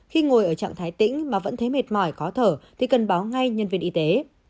khi ngồi ở trạng thái tĩnh mà vẫn thấy mệt mỏi khó thở thì cần báo ngay nhân viên y tế